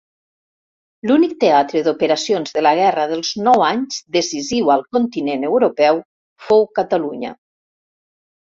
L'únic teatre d'operacions de la Guerra dels Nou Anys decisiu al continent europeu fou Catalunya.